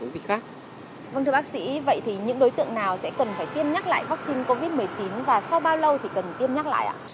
vâng thưa bác sĩ vậy thì những đối tượng nào sẽ cần phải tiêm nhắc lại vaccine covid một mươi chín và sau bao lâu thì cần tiêm nhắc lại ạ